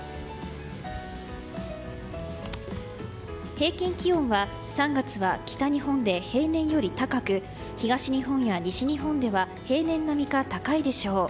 平均気温は３月は北日本で平年より高く東日本や西日本では平年並みか高いでしょう。